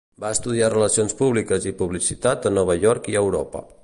Va estudiar Relacions Públiques i Publicitat a Nova York i a Europa.